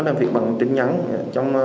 làm việc bằng tính nhắn trong